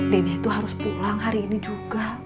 nenek itu harus pulang hari ini juga